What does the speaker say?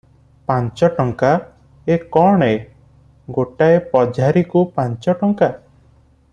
ପାଞ୍ଚ ଟଙ୍କା! ଏ କ'ଣ ଏ! ଗୋଟାଏ ପଝାରିକୁ ପାଞ୍ଚ ଟଙ୍କା?